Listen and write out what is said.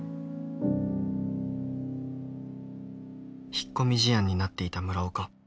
引っ込み思案になっていた村岡。